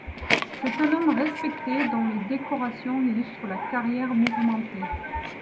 C'est un homme respecté, dont les décorations illustrent la carrière mouvementée.